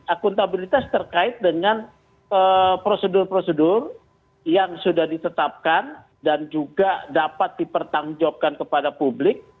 akuntabilitas terkait dengan prosedur prosedur yang sudah ditetapkan dan juga dapat dipertanggungjawabkan kepada publik